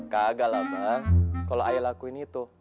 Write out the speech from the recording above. kagak lah bang kalo ayah lakuin itu